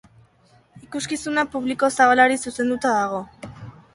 Ikuskizuna publiko zabalari zuzenduta dago.